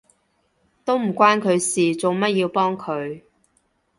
都唔關佢事，做乜要幫佢？